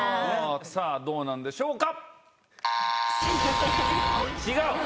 どうなんでしょうか？